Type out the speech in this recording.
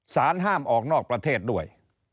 ห้ามออกนอกประเทศด้วย